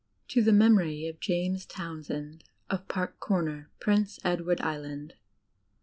"To the memory of James Townsend, of Park Comer, Prince Edward Island.